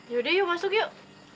yaudah yuk masuk yuk